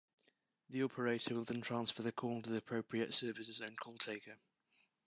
The operator will then transfer the call to the appropriate service's own call-taker.